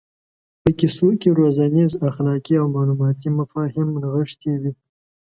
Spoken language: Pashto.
په کیسو کې روزنیز اخلاقي او معلوماتي مفاهیم نغښتي وي.